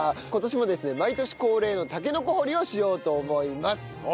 今年もですね毎年恒例のたけのこ掘りをしようと思います。